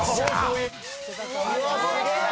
うわっすげえ。